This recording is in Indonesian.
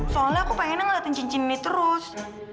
soalnya aku pengennya ngeliatin cincin ini terus